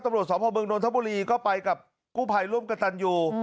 ตำรวจสพเมืองนทบุรีก็ไปกับกู้ภัยร่วมกับตันยู